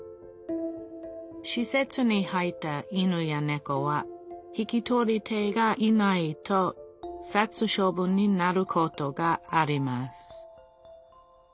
しせつに入った犬やねこは引き取り手がいないと殺処分になることがあります。